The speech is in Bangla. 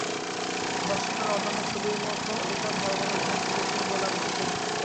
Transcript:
দর্শকেরা অন্যান্য ছবির মতো এটাও ভালোভাবে গ্রহণ করেছেন বলে আমি কৃতজ্ঞ।